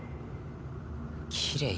きれい？